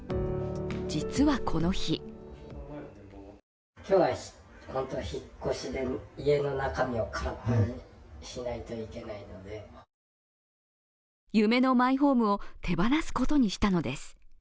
実はこの日夢のマイホームを手放すことにしたのです。